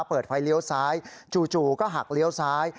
เปิดไฟเลี้ยวซ้ายจู่ก็หักเลี้ยวซ้าย